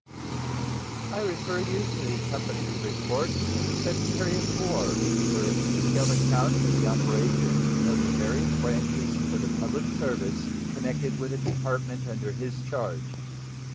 I refer you to the accompanying report of the Secretary of War for a detailed account of the operations of the various branches of the public service connected with the Department under his charge.